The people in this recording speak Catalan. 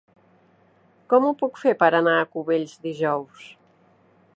Com ho puc fer per anar a Cubells dijous?